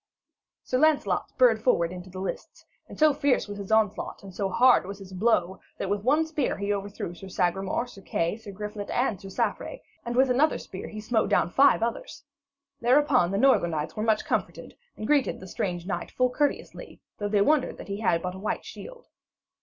Sir Lancelot spurred forward into the lists, and so fierce was his onslaught and so hard was his blow that with one spear he overthrew Sir Sagramore, Sir Kay, Sir Griflet and Sir Saffre, and with another spear he smote down five others. Thereupon the northern knights were much comforted, and greeted the strange knight full courteously, though they wondered that he had but a white shield.